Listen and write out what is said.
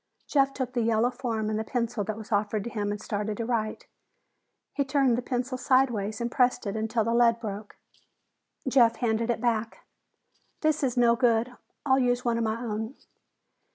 Jeff took the yellow form and the pencil that were offered to him and started to write. He turned the pencil sideways and pressed until the lead broke. Jeff handed it back. "This is no good. I'll use one of my own."